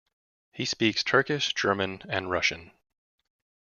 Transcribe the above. He speaks Turkish, German and Russian.